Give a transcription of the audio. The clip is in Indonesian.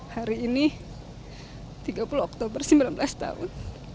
hari ini tiga puluh oktober sembilan belas tahun